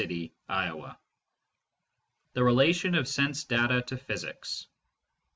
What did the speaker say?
vm THE RELATION OF SENSE DATA TO PHYSICS I.